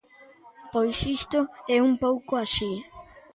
Pois isto é un pouco así.